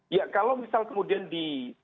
ya kalau misal kemudian di